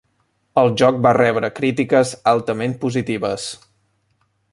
El joc va rebre critiques altament positives.